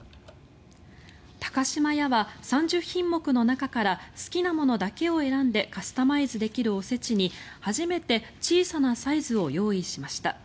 高島屋は３０品目の中から好きなものだけを選んでカスタマイズできるお節に初めて小さなサイズを用意しました。